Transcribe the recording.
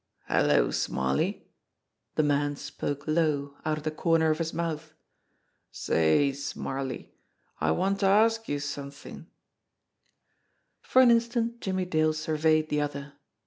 "Hello, Smarly !" The man spoke low, out of the corner of his mouth. "Say, Smarly, I wanter ask youse some thin'." For an instant Jimmie Dale surveyed the other.